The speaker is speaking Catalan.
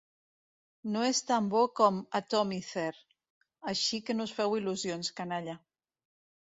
No és tan bo com "Atomizer", així que no us feu il·lusions, canalla.